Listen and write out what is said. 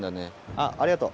あっありがとう。